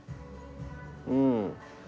うん。